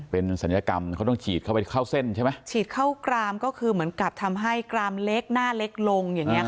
เป็นศัลยกรรมเขาต้องฉีดเข้าไปเข้าเส้นใช่ไหมฉีดเข้ากรามก็คือเหมือนกับทำให้กรามเล็กหน้าเล็กลงอย่างเงี้